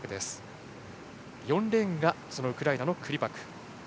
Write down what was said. ４レーンがウクライナのクリパク。